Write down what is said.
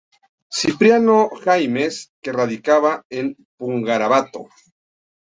Cipriano Jaimes que radicaba en Pungarabato.